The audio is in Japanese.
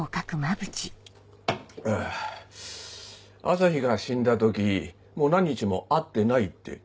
朝陽が死んだ時もう何日も会ってないって。